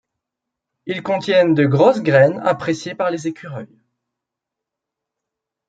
Ils contiennent de grosses graines appréciées par les écureuils.